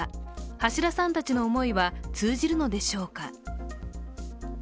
橋田さんたちの思いは通じるのでしょうか。